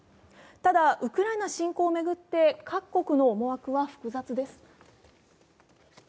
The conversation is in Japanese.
ただ、ウクライナ侵攻を巡って各国の思惑は複雑です。